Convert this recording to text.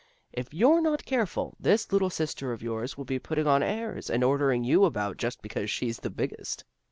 If you're not careful, this little sister of yours will be putting on airs, and ordering you about just because she's the biggest."